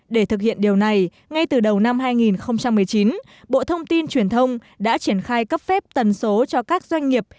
để thực hiện điều này ngay từ đầu năm hai nghìn một mươi chín bộ thông tin truyền thông đã triển khai cấp phép tần số cho các doanh nghiệp